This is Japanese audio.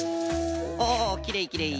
おおきれいきれい。